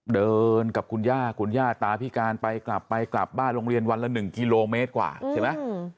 เดินกับคุณย่าคุณย่าตาพิการไปกลับไปกลับบ้านโรงเรียนวันละ๑กิโลเมตรกว่าใช่ไหม